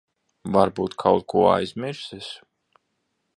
Varbūt kaut ko aizmirsis.